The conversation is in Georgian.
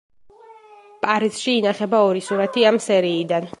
პარიზში ინახება ორი სურათი ამ სერიიდან.